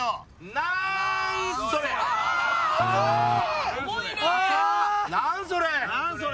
なんそれ！